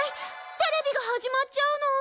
テレビが始まっちゃうの。